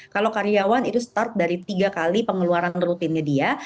kalau karyawan itu start dari tiga kali pengeluaran rutinnya dia